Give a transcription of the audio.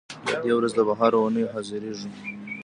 له دې وروسته به هر اوونۍ حاضرېږو.